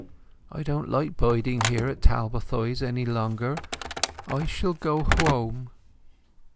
I don't like biding here at Talbothays any longer! I shall go hwome."